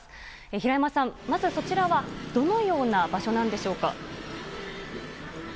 平山さん、まず、そちらはどのような場所なんでしょうか？